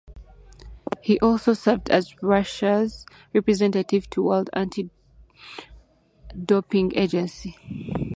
He also served as Russia's representative to World Anti-Doping Agency.